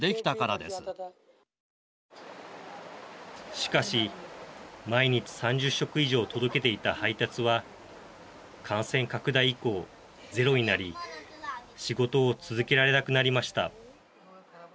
しかし毎日３０食以上届けていた配達は感染拡大以降、ゼロになり仕事を続けられなくなりました。